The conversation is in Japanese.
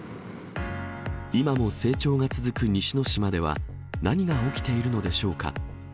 今も成長が続く西之島では、何が起きているのでしょうか。